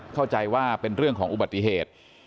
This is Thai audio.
เข้าใจว่าเป็นเรื่องของอุบัติเหตุ